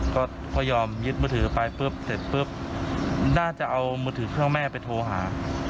ก็เขายอมยึดมือถือไปปุ๊บเสร็จปุ๊บน่าจะเอามือถือเครื่องแม่ไปโทรหา